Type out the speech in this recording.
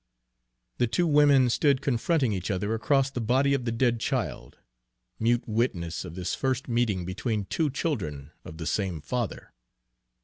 The two women stood confronting each other across the body of the dead child, mute witness of this first meeting between two children of the same father.